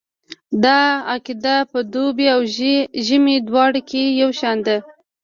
دا قاعده په دوبي او ژمي دواړو کې یو شان ده